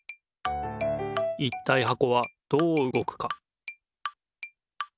いったいはこはどううごくか？